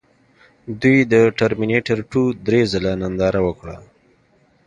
دوی د ټرمینیټر ټو درې ځله ننداره وکړه